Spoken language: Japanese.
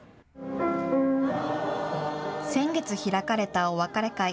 先月開かれたお別れ会。